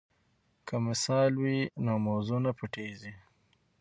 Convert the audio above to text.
که مثال وي نو موضوع نه پټیږي.